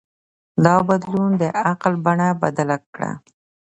دا بدلون د عقل بڼه بدله کړه.